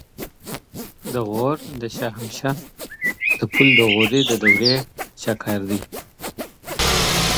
د غور د شاهمشه د پل د غوري دورې شاهکار دی